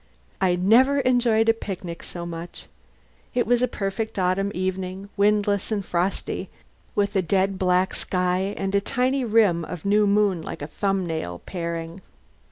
I never enjoyed a picnic so much! It was a perfect autumn evening, windless and frosty, with a dead black sky and a tiny rim of new moon like a thumb nail paring.